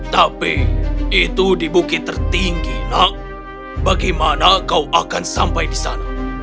tapi itu di bukit tertinggi nak bagaimana kau akan sampai di sana